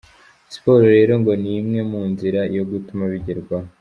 Siporo rero ngo ni imwe mu nzira yo gutuma bigerwaho.